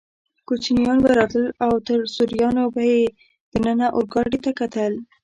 کوچنیان به راتلل او تر سوریانو به یې دننه اورګاډي ته کتل.